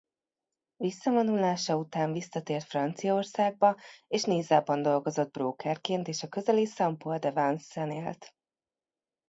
Visszavonulása után visszatért Franciaországba és Nizzában dolgozott brókerként és a közeli Saint-Paul-de-Vencen élt.